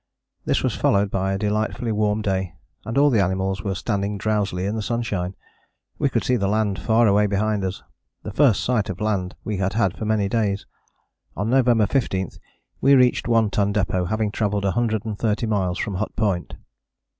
This was followed by a delightfully warm day, and all the animals were standing drowsily in the sunshine. We could see the land far away behind us, the first sight of land we had had for many days. On November 15 we reached One Ton Depôt, having travelled a hundred and thirty miles from Hut Point.